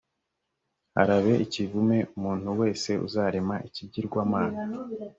arabe ikivume umuntu wese uzarema ikigirwamana